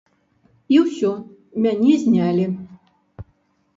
І ўсё, мяне знялі.